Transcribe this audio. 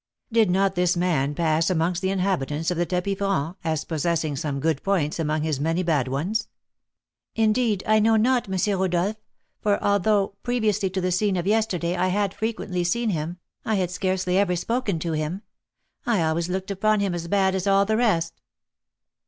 "Did not this man pass amongst the inhabitants of the tapis franc as possessing some good points among his many bad ones?" "Indeed, I know not, M. Rodolph; for although, previously to the scene of yesterday, I had frequently seen him, I had scarcely ever spoken to him. I always looked upon him as bad as all the rest."